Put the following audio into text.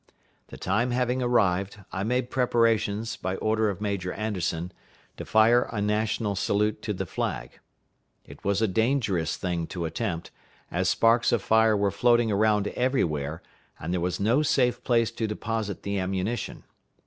The time having arrived, I made preparations, by order of Major Anderson, to fire a national salute to the flag. It was a dangerous thing to attempt, as sparks of fire were floating around everywhere, and there was no safe place to deposit the ammunition.